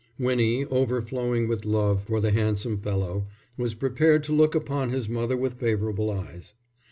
Winnie, overflowing with love for the handsome fellow, was prepared to look upon his mother with favourable eyes.